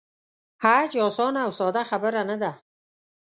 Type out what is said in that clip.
حج آسانه او ساده خبره نه ده.